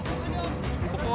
ここは？